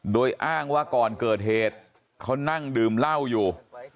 โดยอ้างว่าก่อนเกิดเหตุเขานั่งดื่มเหล้าอยู่